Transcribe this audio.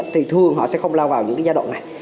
thì thường họ sẽ không lao vào những giai đoạn này